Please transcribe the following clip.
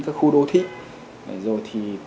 các khu đô thị rồi thì